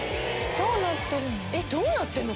どうなってるの？